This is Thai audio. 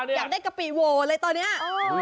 อยากได้กะปิโวเลยตอนนี้